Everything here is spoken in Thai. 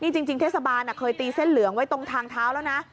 จริงเทศบาลเคยตีเส้นเหลืองไว้ตรงทางเท้าแล้วนะ